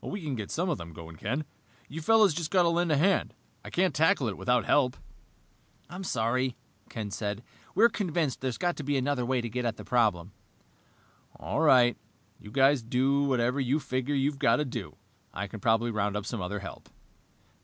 "We can get some of them going, Ken. You fellows have got to lend a hand. I can't tackle it without help." "I'm sorry," Ken said. "We're convinced there's got to be another way to get at the problem." "All right. You guys do whatever you figure you've got to do. I can probably round up some other help."